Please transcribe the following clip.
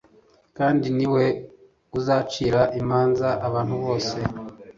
kandi ni we uzacira imanza abantu bose.